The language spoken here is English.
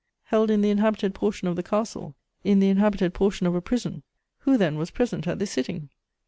Held in the inhabited portion of the castle, in the inhabited portion of a prison! Who, then, was present at this sitting?